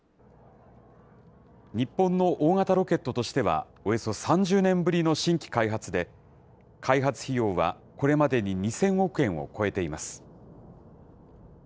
日本の大型ロケットとしては、およそ３０年ぶりの新規開発で、開発費用はこれまでに２０００億円を超えています。